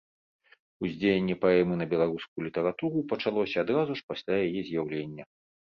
Уздзеянне паэмы на беларускую літаратуру пачалося адразу ж пасля яе з'яўлення.